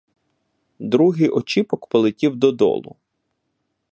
Другий очіпок полетів додолу.